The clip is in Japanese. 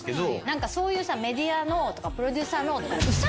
そういうさメディアのとかプロデューサーのとか。